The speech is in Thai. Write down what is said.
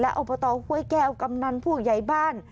อบตห้วยแก้วกำนันผู้ใหญ่บ้าน